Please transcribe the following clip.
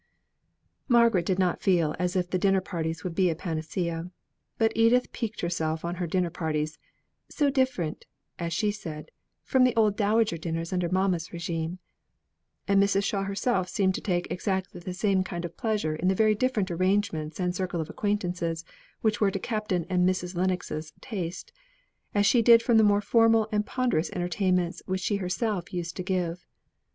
Margaret did not feel as if the dinner parties would be a panacea. But Edith piqued herself on her dinner parties; "so different," as she said, "from the old dowager dinners under mamma's régime;" and Mrs. Shaw herself seemed to take exactly the same kind of pleasure in the very different arrangements and circle of acquaintances which were to Captain and Mrs. Lennox's taste, as she did in the more formal and ponderous entertainments which she herself used to give.